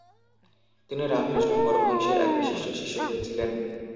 তিনি রামকৃষ্ণ পরমহংসের এক বিশিষ্ট শিষ্য হয়েছিলেন।